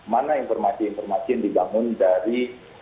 mana informasi informasi yang dibangun dari